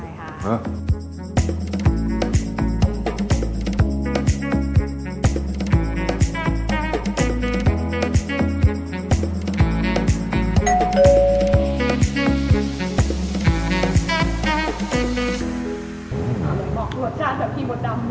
อร่อยเหมาะรสชาติแบบที่บดดำมุม